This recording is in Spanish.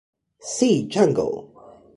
See Jungle!